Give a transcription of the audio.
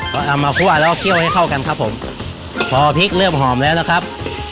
ก็เอามาคั่วแล้วก็เคี่ยวให้เข้ากันครับผมพอพริกเริ่มหอมแล้วนะครับ